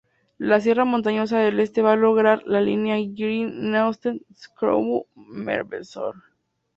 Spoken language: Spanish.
La sierra montañosa del este va a lo largo de la línea Gehren-Neustadt-Schönbrunn-Merbelsrod.